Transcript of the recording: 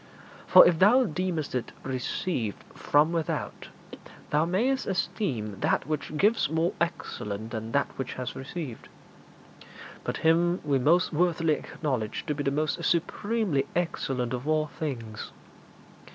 For if thou deemest it received from without, thou mayst esteem that which gives more excellent than that which has received. But Him we most worthily acknowledge to be the most supremely excellent of all things.